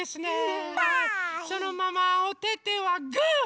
そのままおててはグー！